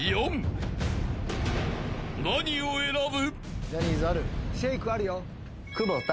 ［何を選ぶ？］